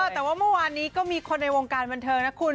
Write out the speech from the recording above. แต่ว่าเมื่อวานนี้ก็มีคนในวงการบันเทิงนะคุณ